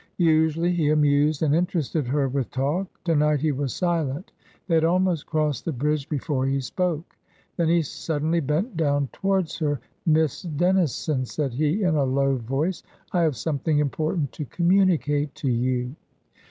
Usually he amused and interested her with talk; to night he was silent. They had almost crossed the Bridge before he spoke. Then he suddenly bent down towards her. "Miss Dennison," said he, in a low voice, "I have something important to communicate to you."